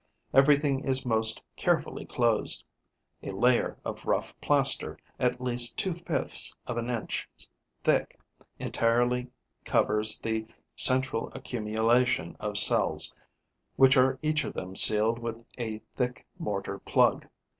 Everything is most carefully closed: a layer of rough plaster, at least two fifths of an inch thick, entirely covers the central accumulation of cells, which are each of them sealed with a thick mortar plug.